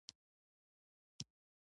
په لارښوونه کې یې لویه ونډه نه درلوده.